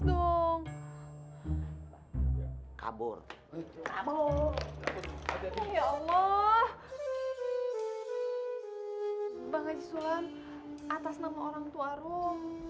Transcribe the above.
bang haji sulam atas nama orang tua rum